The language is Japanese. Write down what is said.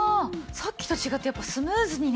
さっきと違ってスムーズにね。